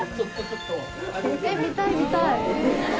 えっ見たい見たい！